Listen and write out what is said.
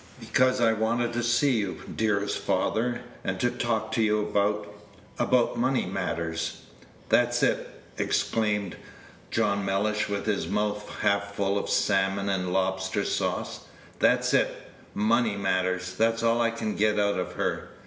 "Because I wanted to see you, dearest father, and to talk to you about about money matters." "That's it," exclaimed John Mellish, with his mouth half full of salmon and lobster sauce. "That's it! Money matters! That's all I can get out of her.